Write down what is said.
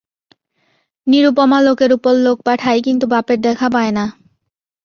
নিরুপমা লোকের উপর লোক পাঠায় কিন্তু বাপের দেখা পায় না।